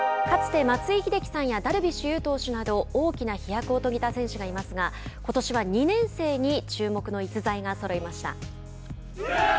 かつて松井秀喜さんやダルビッシュ有投手など大きな飛躍を遂げた選手がいますがことしは２年生に注目の逸材がそろいました。